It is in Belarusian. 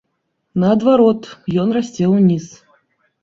Наадварот, ён расце ўніз.